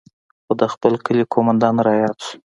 خو د خپل کلي قومندان راياد سو.